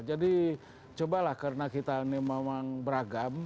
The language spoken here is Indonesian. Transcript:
jadi cobalah karena kita memang beragam